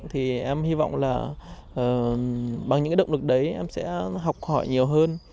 thì em hy vọng là bằng những động lực đấy em sẽ học hỏi nhiều hơn